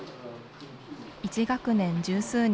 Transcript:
１学年十数人